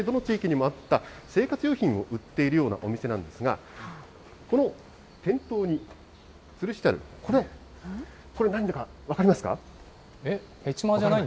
１９６０年代、大体どの地域にもあった生活用品を売っているようなお店なんですが、この店頭につるしてある、これ、なんだか分かりますか？